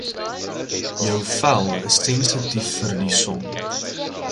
Jou vel is sensitief vir die son.